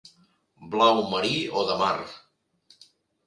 Blau marí o de mar.